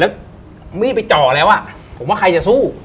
แล้วมีดไปจ่อแล้วอ่ะผมว่าใครจะสู้